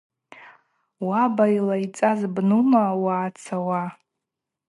Уаба йлайцӏаз бнума уъацауа?